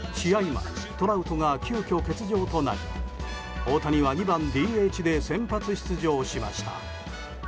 前トラウトが急きょ欠場となり大谷は２番ＤＨで先発出場しました。